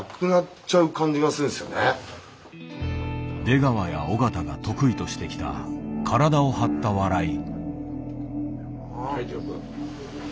出川や尾形が得意としてきた体を張った笑い。